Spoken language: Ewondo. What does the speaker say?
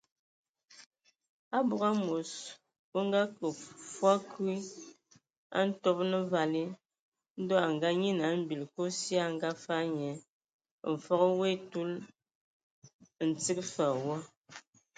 Abog amos o akə fɔɔ kwi a Ntoban vali, Ndɔ a nganyian a mbil Kosi a ngafag nye, mfəg woe a etul, ntig fa a wɔ.